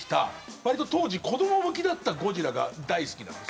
わりと当時子ども向きだったゴジラが大好きなんです。